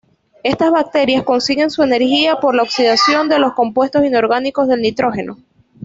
Estas bacterias consiguen su energía por la oxidación de los compuestos inorgánicos del nitrógeno.